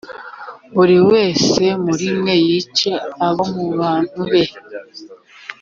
buri wese muri mwe yice abo mu bantu be.